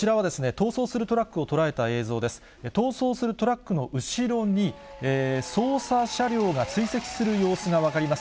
逃走するトラックの後ろに、捜査車両が追跡する様子が分かります。